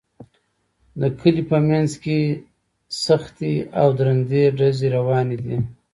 د کلي په منځ کې سختې او درندې ډزې روانې دي